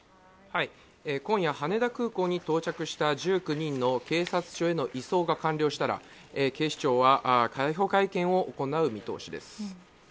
今夜、羽田空港に到着した１９人の警察署への移送が完了したら警視庁は逮捕会見を行う見通しです。